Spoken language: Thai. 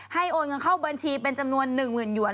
โอนเงินเข้าบัญชีเป็นจำนวน๑๐๐๐หยวน